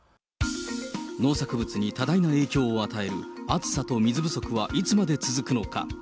農作物に多大な影響を与える暑さと水不足はいつまで続くのか。